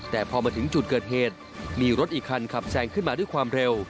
แต่พอมาถึงจุดเกิดเหตุมีรถอีกคันขับแซงขึ้นมาด้วยความเร็ว